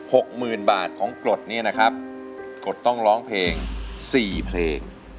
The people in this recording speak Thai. หกหมื่นบาทของกรดเนี่ยนะครับกฎต้องร้องเพลงสี่เพลง